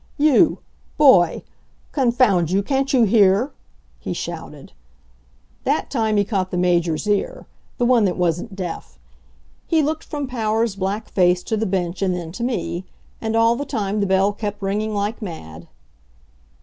"You. boy confound you, can't you hear?" he shouted. That time he caught the Major's ear the one that wasn't deaf. He looked from Powers' black face to the bench and then to me. And all the time the bell kept ringing like mad.